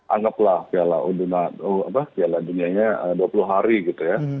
anggaplah piala dunia nya dua puluh hari gitu ya